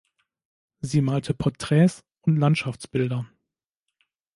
Sie malte Porträts und Landschaftsbilder.